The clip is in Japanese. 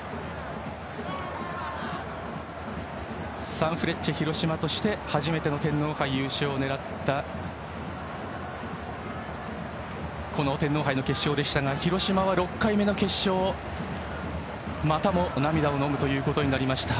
サンフレッチェ広島として初めての天皇杯優勝を狙ったこの天皇杯の決勝でしたが広島は６回目の決勝またも涙をのむことになりました。